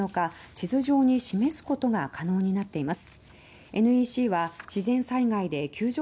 地図上に示すことが可能になっています。